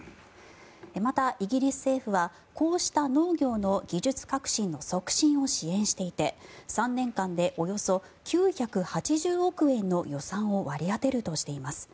また、イギリス政府はこうした農業の技術革新の促進を支援していて３年間でおよそ９８０億円の予算を割り当てるとしています。